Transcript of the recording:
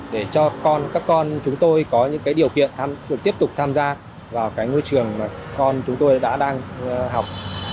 để cho các con chúng tôi có những điều kiện tiếp tục tham gia vào cái ngôi trường mà con chúng tôi đã đang học